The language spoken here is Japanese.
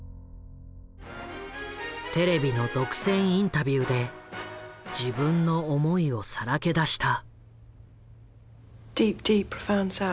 テレビの独占インタビューで自分の思いをさらけ出した。